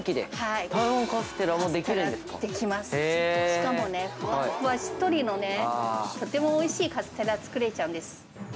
しかもね、ふわっふわ、しっとりのね、とてもおいしいカステラ作れちゃうんです。